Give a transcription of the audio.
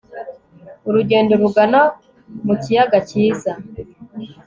urugendo rugana ku kiyaga cyiza